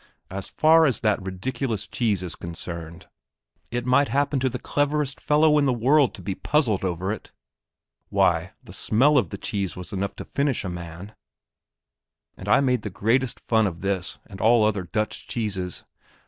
As far as that ridiculous cheese is concerned, it might happen to the cleverest fellow in the world to be puzzled over it! Why, the smell of the cheese was enough to finish a man; ... and I made the greatest fun of this and all other Dutch cheeses....